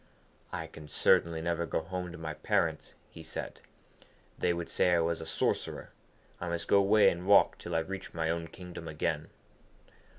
'I can certainly never go home to my parents,' he said. 'They would say I was a sorcerer. I must go away and walk till I reach my own kingdom again.'